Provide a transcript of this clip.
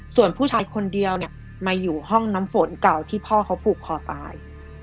ส่วนผู้ชายคนเดียวเนี่ยมาอยู่ห้องน้ำฝนเก่าที่พ่อเขาผูกคอตาย